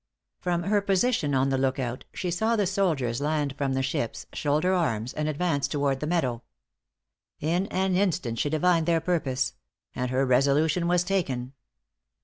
From her position on the look out, she saw the soldiers land from the ships, shoulder arms, and advance toward the meadow. In an instant she divined their purpose; and her resolution was taken.